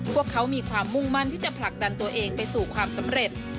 พวกเขามีความมุ่งมั่นที่จะผลักดันตัวเองไปสู่ความสำเร็จ